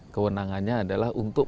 kewenangannya adalah untuk